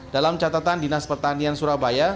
dalam catatan dinas pertanian surabaya